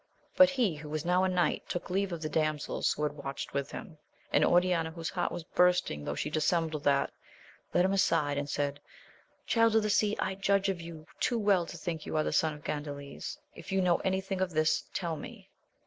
But he who was now a knight, took leave of the damsels who had watched with him, and Oriana, i¥hose heart was bursting though she dissembled that, led him aside, and said. Child of the Sea, I judge of you too well to think you are the son of Gandales : if you know any thing of this, tell me.